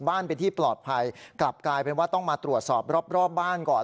เป็นที่ปลอดภัยกลับกลายเป็นว่าต้องมาตรวจสอบรอบบ้านก่อน